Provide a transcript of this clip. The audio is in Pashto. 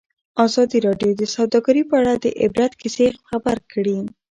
ازادي راډیو د سوداګري په اړه د عبرت کیسې خبر کړي.